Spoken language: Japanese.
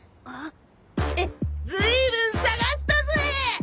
ずいぶん捜したぜえ！